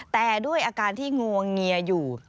แต่ด้วยอาการที่งวงเงียอยู่